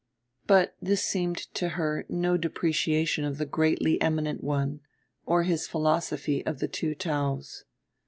But this seemed to her no depreciation of the Greatly Eminent One or his philosophy of the two Taoes.